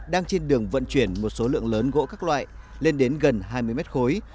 đang trên đường vận chuyển một số lượng lớn gỗ các loại lên đến gần hai mươi mét khối